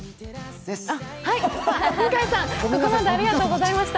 向井さん、ここまでありがとうございました。